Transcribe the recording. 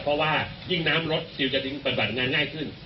เพราะว่ายิ่งน้ำลดซิลจะถึงปฏิบัติงานง่ายขึ้น